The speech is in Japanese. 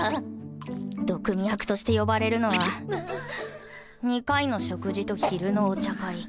毒見役として呼ばれるのは２回の食事と昼のお茶会。